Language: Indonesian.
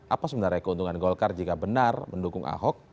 apa sebenarnya keuntungan golkar jika benar mendukung ahok